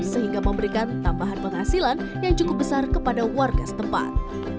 sehingga memberikan tambahan penghasilan yang cukup besar kepada warga setempat